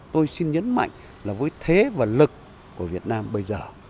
tôi xin nhấn mạnh là với thế và lực của việt nam bây giờ